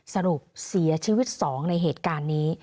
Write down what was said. สรุปเสียชีวิต๒ในเหตุการณ์นี้